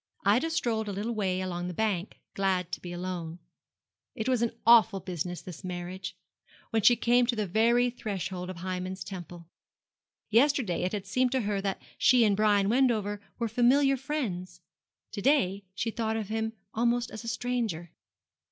Ida strolled a little way along the bank, glad to be alone. It was an awful business, this marriage, when she came to the very threshold of Hymen's temple. Yesterday it had seemed to her that she and Brian Wendover were familiar friends; to day she thought of him almost as a stranger.